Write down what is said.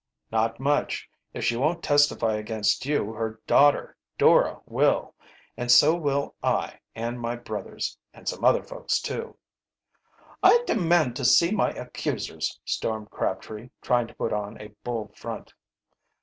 "Not much. If she won't testify against you, her daughter Dora will, and so will I and my brothers, and some other folks, too." "I demand to see my accusers!" stormed Crabtree, trying to put on a bold front.